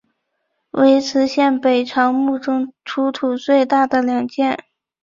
为磁县北朝墓中出土最大的两件。